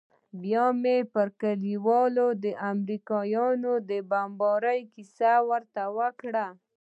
بيا مې پر کليوالو د امريکايانو د بمبارۍ کيسه ورته وکړه.